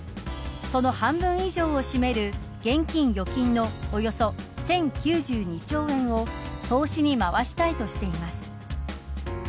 その半分以上を占める現金・預金のおよそ１０９２兆円を投資にまわしたいとしています。